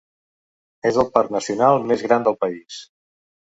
És el parc nacional més gran del país.